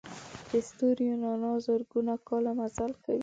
د ستورو رڼا زرګونه کاله مزل کوي.